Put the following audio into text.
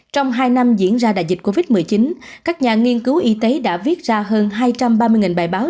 trong hai năm diễn ra đại dịch covid một mươi chín các nhà nghiên cứu y tế đã viết ra hơn hai trăm ba mươi bài báo